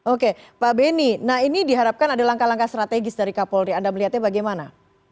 oke pak beni nah ini diharapkan ada langkah langkah strategis dari kapolri anda melihatnya bagaimana